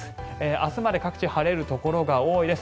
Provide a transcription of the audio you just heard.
明日まで各地晴れるところが多いです。